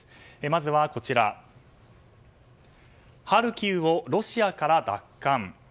まずはハルキウをロシアから奪還。